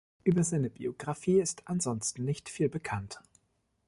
Über seine Biografie ist ansonsten nicht viel bekannt.